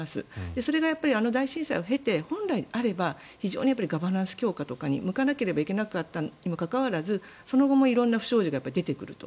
それがやっぱりあの大震災を経て本来であれば非常にガバナンス強化とかに向かわなきゃいけなかったにもかかわらずその後も色んな不祥事が出てくると。